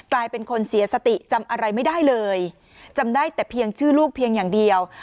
กลายเป็นคนเสียสติจำอะไรไม่ได้เลยจำได้แต่เพียงชื่อลูกเพียงอย่างเดียว